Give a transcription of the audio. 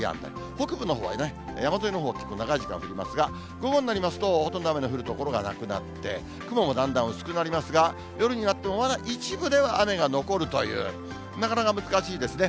北部のほうはね、山沿いのほう、結構、長い時間降りますが、午後になりますと、ほとんど雨の降る所がなくなって、雲もだんだん薄くなりますが、夜になっても、まだ一部では雨が残るという、なかなか難しいですね。